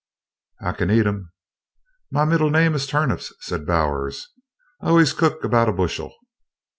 "I kin eat 'em." "My middle name is 'turnips,'" said Bowers. "I always cooks about a bushel!"